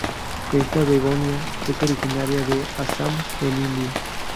Esta "begonia" es originaria de Assam en India.